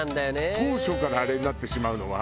当初からあれになってしまうのは。